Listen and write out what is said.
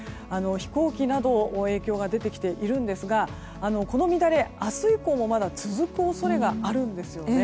飛行機などに影響が出てきているんですがこの乱れ、明日以降もまだ続く恐れがあるんですよね。